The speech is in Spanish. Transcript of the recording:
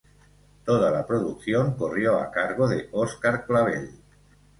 Toda la producción corrió a cargo de Óscar Clavel.